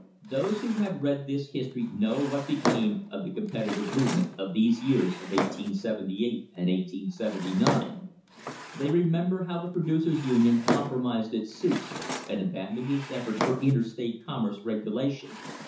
Those who have read this history know what became of the competitive movement of these years of 1878 1879. They remember how the Producers' Union compromised its suits and abandoned its efforts for interstate commerce regulation.